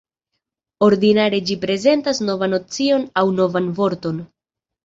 Ordinare ĝi prezentas novan nocion aŭ novan vorton.